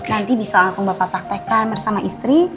nanti bisa langsung bapak praktekkan bersama istri